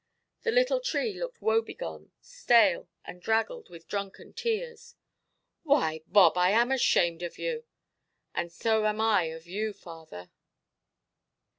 The little tree looked wobegone, stale, and draggled with drunken tears. "Why, Bob, I am ashamed of you". "And so am I of you, father".